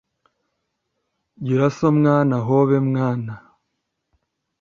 Gira so mwana hobe mwana